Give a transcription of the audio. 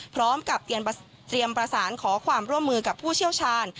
พร้อมกับเตรียมประสานขอความร่วมมือกับผู้เชี่ยวชาญ